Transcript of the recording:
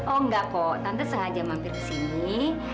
oh enggak kok tante sengaja mampir ke sini